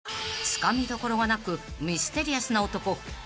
［つかみどころがなくミステリアスな男ＥＸＩＴ